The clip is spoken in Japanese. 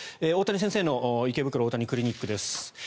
大谷先生の池袋大谷クリニックです。